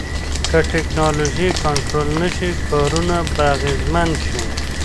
که ټکنالوژي کنټرول نشي، کارونه به اغیزمن شي.